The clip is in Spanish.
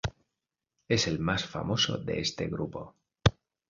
Es el más famoso de este grupo.